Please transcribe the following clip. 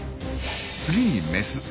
次にメス。